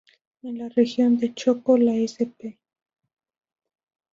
En la región de Choco, la sp.